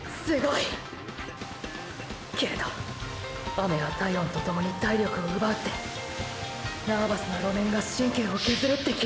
けれど雨は体温と共に体力を奪うってナーバスな路面が神経を削るって聞いた。